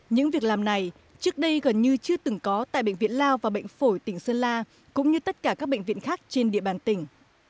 những việc làm này trước đây gần như chưa từng có tại bệnh viện lao và bệnh phổi tỉnh sơn la cũng như tất cả các bệnh viện khác trên địa bàn tỉnh